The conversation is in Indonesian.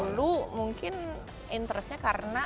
dulu mungkin interestnya karena